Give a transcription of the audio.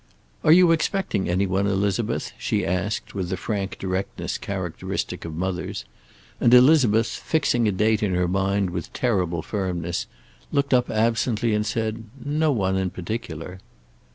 "Are you expecting any one, Elizabeth?" she asked, with the frank directness characteristic of mothers, and Elizabeth, fixing a date in her mind with terrible firmness, looked up absently and said: "No one in particular."